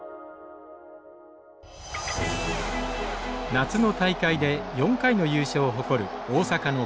夏の大会で４回の優勝を誇る大阪のＰＬ学園。